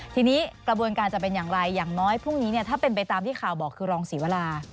ทีนี้กระบวนการจะเป็นอย่างไรอย่างน้อยพรุ่งนี้ถ้าเป็นไปตามที่ข่าวบอกคือรองศรีวรา